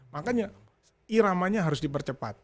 makanya iramanya harus dipercepat